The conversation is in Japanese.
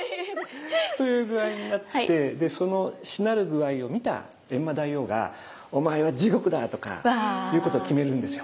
という具合になってそのしなる具合を見た閻魔大王が「お前は地獄だ！」とかいうことを決めるんですよ。